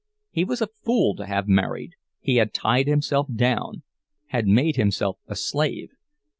He was a fool to have married; he had tied himself down, had made himself a slave.